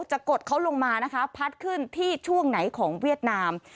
กดเขาลงมานะคะพัดขึ้นที่ช่วงไหนของเวียดนาม